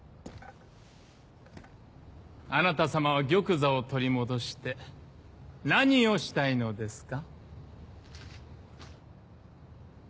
あなた様は玉座を取り戻して何をしたいのですか？